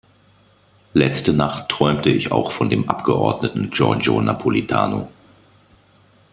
Letzte Nacht träumte ich auch von dem Abgeordneten Giorgio Napolitano.